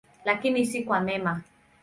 Lakini si kwa mema.